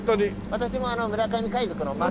私も村上海賊の末裔。